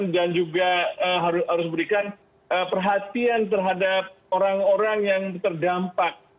dan juga harus memberikan perhatian terhadap orang orang yang terdampak